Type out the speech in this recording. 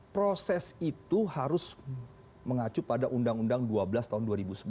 proses itu harus mengacu pada undang undang dua belas tahun dua ribu sebelas